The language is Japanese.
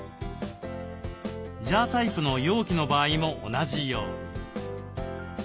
ジャータイプの容器の場合も同じように。